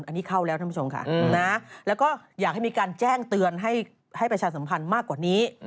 อันนี้เข้าแล้วท่านผู้ชมค่ะนะแล้วก็อยากให้มีการแจ้งเตือนให้ประชาสัมพันธ์มากกว่านี้